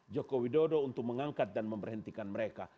joko widodo untuk mengangkat dan memberhentikan mereka